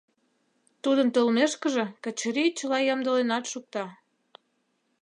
Тудын толмешкыже Качырий чыла ямдыленат шукта.